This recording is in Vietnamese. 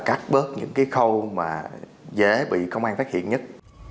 cắt bớt những khâu dễ bị công an phát hiện nhất